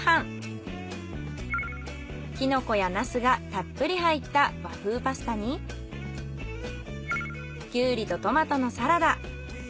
キノコやナスがたっぷり入った和風パスタにきゅうりとトマトのサラダ。